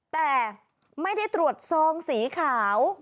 แต่ไม่ได้ตรวจซองสีขาว